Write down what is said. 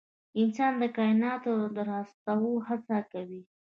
انسان د کایناتو د راوستو هڅه کوي.